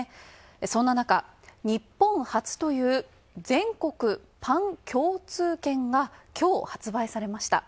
そんな中、日本初という全国パン共通券がきょう、発売されました。